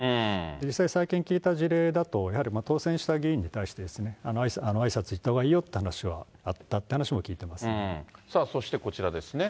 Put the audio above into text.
実際、最近聞いた事例だと、やはり当選した議員に対して、あいさつ行ったほうがいいよっていう話はあったって話も聞いていそして、こちらですね。